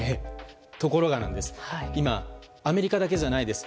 ところが今、アメリカだけじゃないです。